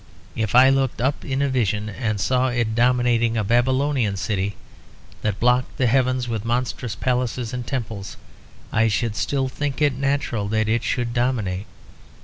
If I looked up in a vision and saw it dominating a Babylonian city, that blocked the heavens with monstrous palaces and temples, I should still think it natural that it should dominate.